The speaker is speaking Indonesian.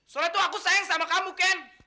soalnya tuh aku sayang sama kamu ken